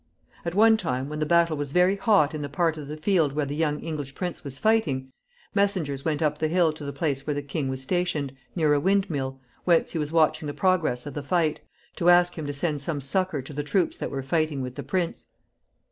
At one time, when the battle was very hot in the part of the field where the young English prince was fighting, messengers went up the hill to the place where the king was stationed, near a wind mill, whence he was watching the progress of the fight, to ask him to send some succor to the troops that were fighting with the prince.